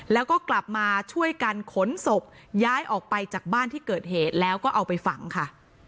แล้วก็กลับมาช่วยกันขนศพย้ายออกไปจากบ้านที่เกิดเหตุแล้วก็เอาไปฝังค่ะ